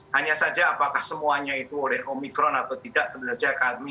hanya saja apakah semuanya itu oleh omikron atau tidak